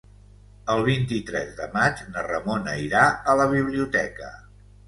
El vint-i-tres de maig na Ramona irà a la biblioteca.